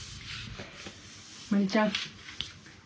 まりちゃん。